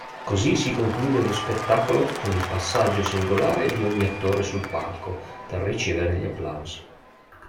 Così si conclude lo spettacolo con il passaggio singolare di ogni attore sul palco per ricevere gli applausi.